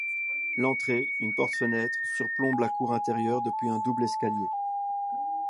L'entrée, une porte-fenêtre, surplombe la cour intérieure depuis un double escalier.